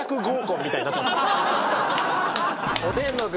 おでんの具